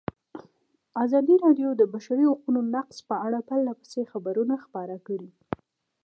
ازادي راډیو د د بشري حقونو نقض په اړه پرله پسې خبرونه خپاره کړي.